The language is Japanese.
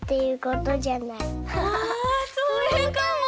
あそうかも。